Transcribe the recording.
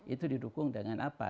itu didukung dengan apa